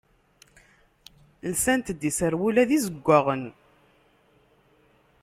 Lsant-d iserwula d izeggaɣen.